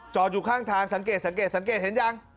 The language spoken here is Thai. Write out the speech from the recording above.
จอดอยู่ข้างทางสังเกตเห็นยัง